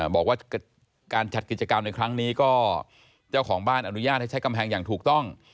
บอกว่าการจัดกิจกรรมในครั้งนี้ก็เจ้าของบ้านอนุญาตให้ใช้กำแพงอย่างถูกต้อง